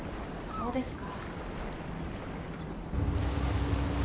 そうですか。